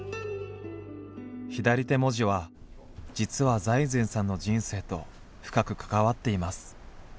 左手文字は実は財前さんの人生と深く関わっています。